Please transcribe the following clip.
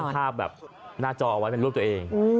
ภาพแบบหน้าจอเอาไว้เป็นรูปตัวเอง